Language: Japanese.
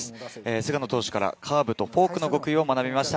菅野投手からカーブとフォークの極意を学びました。